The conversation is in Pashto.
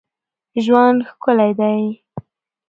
ژوند ښکلی دئ.